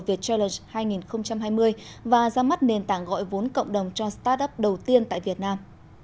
vietchallenge hai nghìn hai mươi và ra mắt nền tảng gọi vốn cộng đồng cho start up đầu tiên tại việt nam